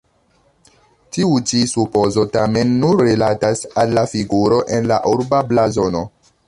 Tiu ĉi supozo tamen nur rilatas al la figuro en la urba blazono.